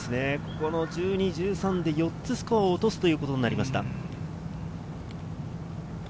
１２、１３で４つスコアを落とすということになりました。